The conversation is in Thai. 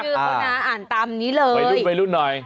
ชื่อคุณน้าอ่านตามนี้เลยไปรุ่นหน่อย